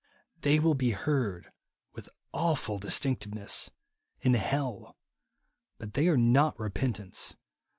They will be heard with awful distinctness in hell ; but they are not repentance.